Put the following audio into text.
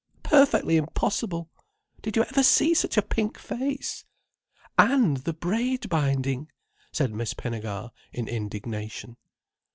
"Perfectly impossible. Did ever you see such a pink face?" "And the braid binding!" said Miss Pinnegar in indignation.